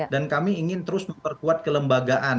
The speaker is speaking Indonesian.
dan kami ingin terus memperkuat kelembagaan